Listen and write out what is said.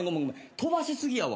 飛ばしすぎやわ。